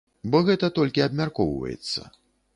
Бо гэта толькі абмяркоўваецца.